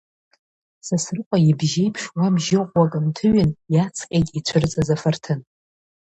Сасрыҟәа ибжьеиԥш, уа бжьы ӷәӷәак нҭыҩын, иацҟьеит ицәырҵыз афарҭын!